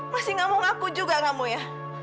masih gak mau ngaku juga kamu ya